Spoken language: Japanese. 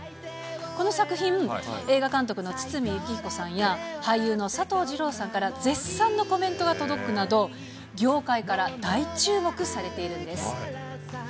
この作品、映画監督の堤幸彦さんや俳優の佐藤二朗さんから絶賛のコメントが届くなど、業界から大注目されているんです。